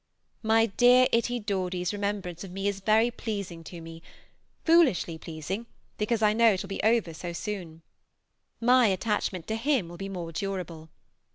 My dear itty Dordy's remembrance of me is very pleasing to me, foolishly pleasing, because I know it will be over so soon. My attachment to him will be more durable.